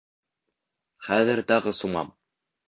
Хәҙер тағы сумам.